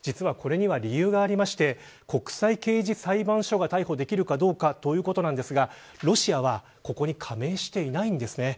これには理由がありまして国際刑事裁判所が逮捕できるかどうかということですがロシアはここに加盟していないんです。